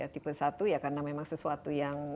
tipe satu ya karena memang sesuatu yang